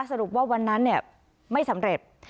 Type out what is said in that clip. สรุปว่าวันนั้นไม่สำเร็จ